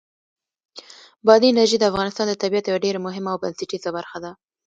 بادي انرژي د افغانستان د طبیعت یوه ډېره مهمه او بنسټیزه برخه ده.